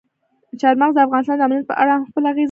چار مغز د افغانستان د امنیت په اړه هم خپل اغېز لري.